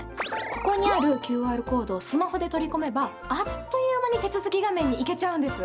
ここにあるＱＲコードをスマホで取り込めばあっという間に手続き画面に行けちゃうんです。